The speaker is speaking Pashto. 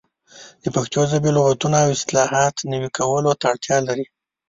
د پښتو ژبې لغتونه او اصطلاحات نوي کولو ته اړتیا لري.